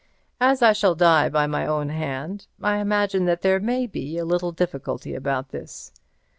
As I shall die by my own hand, I imagine that there may be a little difficulty about this.